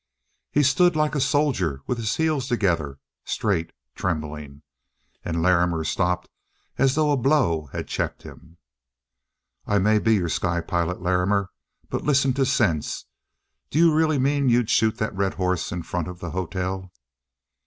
He stood like a soldier with his heels together, straight, trembling. And Larrimer stopped as though a blow had checked him. "I may be your sky pilot, Larrimer. But listen to sense. Do you really mean you'd shoot that red horse in front of the hotel?"